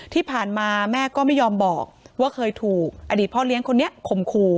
ที่ผ่านมาแม่ก็ไม่ยอมบอกว่าเคยถูกอดีตพ่อเลี้ยงคนนี้ข่มขู่